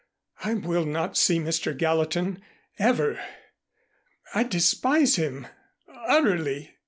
I will not see Mr. Gallatin ever. I despise him utterly."